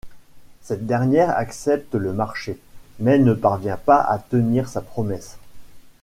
Cette dernière accepte le marché, mais ne parvient pas à tenir sa promesse.